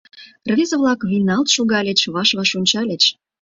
Рвезе-влак вийналт шогальыч, ваш-ваш ончальыч.